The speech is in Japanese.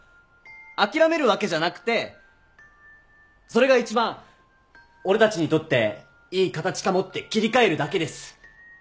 諦めるわけじゃなくてそれが一番俺たちにとっていい形かもって切り替えるだけです。